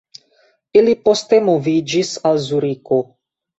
Ili poste moviĝis al Zuriko.